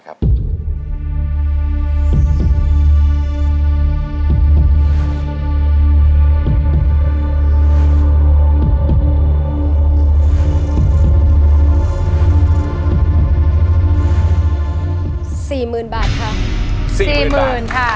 ร้องได้ให้ล้าน